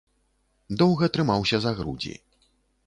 Доўга трымаўся за грудзі.